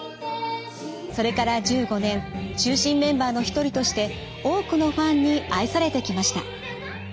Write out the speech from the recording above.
それから１５年中心メンバーの一人として多くのファンに愛されてきました。